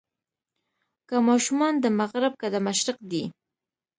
که ماشومان د مغرب که د مشرق دي.